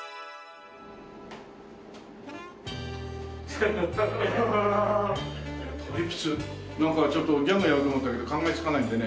タリピツなんかちょっとギャグやろうと思ったけど考えつかないんでね